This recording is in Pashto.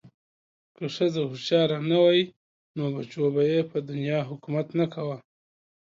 که ښځه هوښیاره نه وی نو بچو به ېې په دنیا حکومت نه کوه